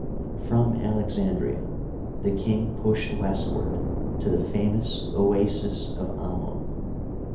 From Alexandria the king pushed westward to the famous oasis of Amon.